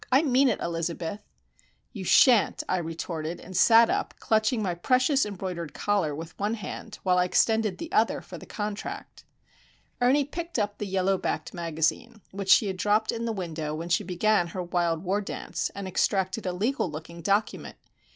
I mean it, Elizabeth!" "You shan't!" I retorted; and sat up, clutching my precious embroidered collar with one hand, while I extended the other for the contract. Ernie picked up the yellow backed magazine, which she had dropped in the window when she began her wild war dance, and extracted a legal looking document.